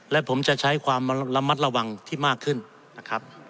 และผมจะใช้ความระมัดระวังที่มากขึ้นนะครับ